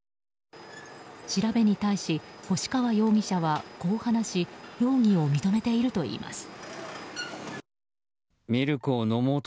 調べに対し星川容疑者はこう話し容疑を認めているといいます。